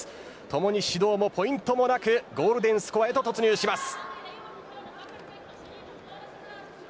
ともに指導もポイントもなくゴールデンスコアへと突入します。